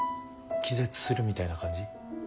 気絶するみたいな感じ？